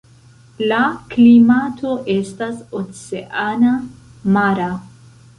La klimato estas oceana (mara).